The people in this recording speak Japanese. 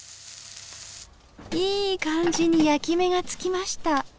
いい感じに焼き目がつきました。